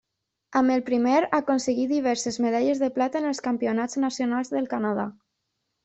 Amb el primer aconseguí diverses medalles de plata en els campionats nacionals del Canadà.